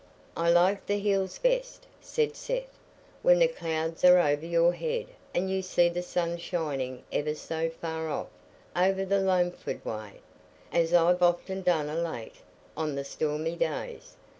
"I like th' hills best," said Seth, "when the clouds are over your head and you see the sun shining ever so far off, over the Loamford way, as I've often done o' late, on the stormy days.